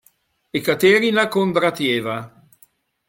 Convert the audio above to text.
Ekaterina Kondrat'eva